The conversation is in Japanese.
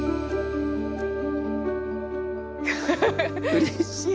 うれしい。